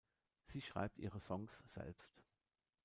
Sie schreibt ihre Songs selbst.